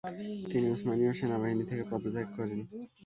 তিনি উসমানীয় সেনাবাহিনী থেকে পদত্যাগ করেন।